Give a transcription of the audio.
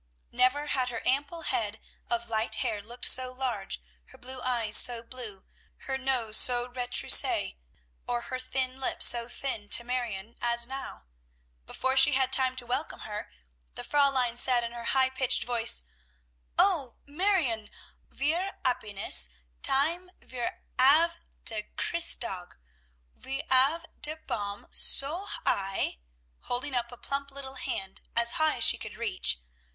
Never had her ample head of light hair looked so large, her blue eyes so blue, her nose so retroussé, or her thin lips so thin, to Marion, as now. Before she had time to welcome her, the Fräulein said in her high pitched voice, "O Marione! Wir happiness time wir have der Christtag. Wir 'ave der Baum so high," holding up a plump little hand as high as she could reach.